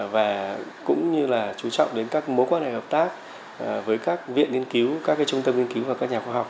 và cũng như là chú trọng đến các mối quan hệ hợp tác với các viện nghiên cứu các trung tâm nghiên cứu và các nhà khoa học